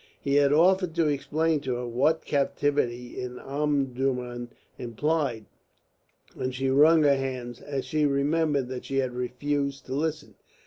He had offered to explain to her what captivity in Omdurman implied, and she wrung her hands, as she remembered that she had refused to listen.